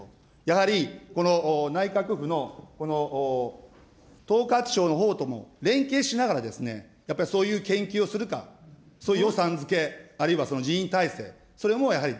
やはり内閣府の統括省のほうとも、連携しながらですね、やっぱりそういう研究をするか、そういう予算づけ、あるいは人員体制、それもやはり。